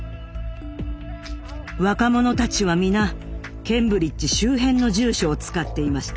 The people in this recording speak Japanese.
若者たちは皆ケンブリッジ周辺の住所を使っていました。